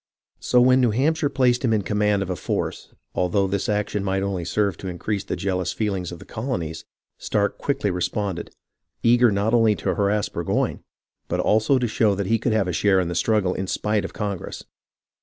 So when New Hampshire placed him in command of a force, although this action might only serve to increase the jealous feelings of the colonies. Stark quickly responded, eager not only to harass Burgoyne, but also to show that he could have a share in the struggle in spite of Congress.